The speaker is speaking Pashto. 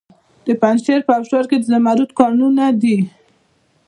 د پنجشیر په ابشار کې د زمرد کانونه دي.